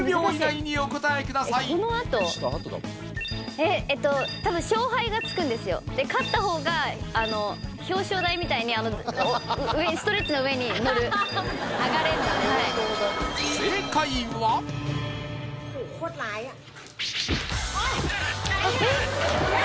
えっえと多分勝敗がつくんですよで勝った方が表彰台みたいにストレッチの上に乗る上がれんだはいアッ！